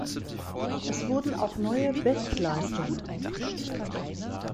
Es wurden auch neue Bestleistungen aufgestellt.